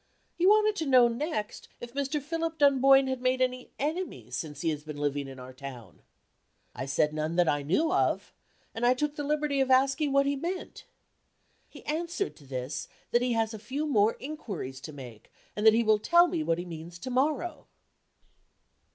He wanted to know, next, if Mr. Philip Dunboyne had made any enemies since he has been living in our town. I said none that I knew of and I took the liberty of asking what he meant. He answered to this, that he has a few more inquiries to make, and that he will tell me what he means to morrow.